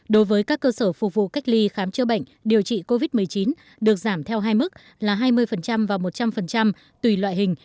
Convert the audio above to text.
đối với các cơ sở phục vụ cách ly khám chữa bệnh điều trị covid một mươi chín được giảm theo hai mức là hai mươi và một trăm linh tùy loại hình